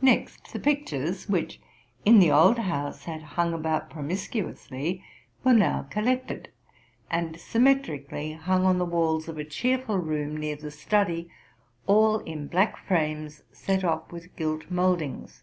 Next, the pictures, which in the old house had hung about promiscuously, were now collected, and symmetrically hung on the walls of a cheerful room near the study, all in black frames set off with gilt mouldings.